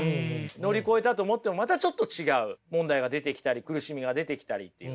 乗り越えたと思ってもまたちょっと違う問題が出てきたり苦しみが出てきたりっていう。